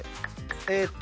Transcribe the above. えーっと。